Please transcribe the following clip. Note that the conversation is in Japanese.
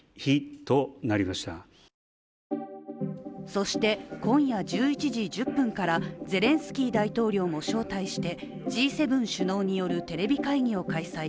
そして今夜１１時１０分からゼレンスキー大統領も招待してＧ７首脳によるテレビ会議を開催。